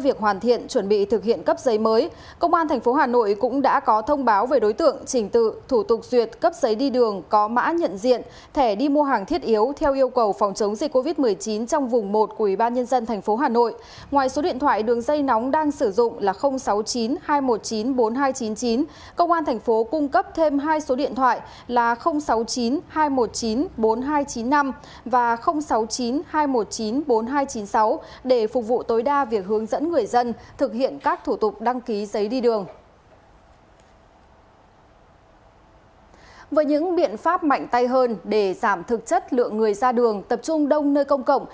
với những biện pháp mạnh tay hơn để giảm thực chất lượng người ra đường tập trung đông nơi công cộng